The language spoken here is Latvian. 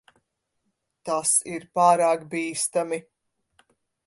Tas ir pārāk bīstami.